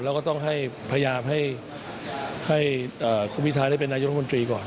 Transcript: แล้วก็ต้องให้พยายามให้คุณพิทาได้เป็นนายกรัฐมนตรีก่อน